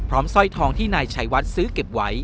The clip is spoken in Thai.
สร้อยทองที่นายชัยวัดซื้อเก็บไว้